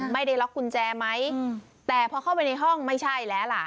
ไม่ได้ล็อกกุญแจไหมแต่พอเข้าไปในห้องไม่ใช่แล้วล่ะ